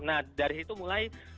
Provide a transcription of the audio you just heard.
nah dari itu mulai